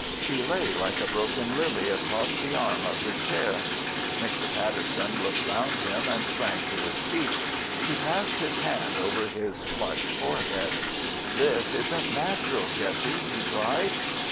She lay like a broken lily across the arm of her chair. Mr. Patterson looked round him and sprang to his feet. He passed his hand over his flushed forehead. "This isn't natural, Jessie," he cried.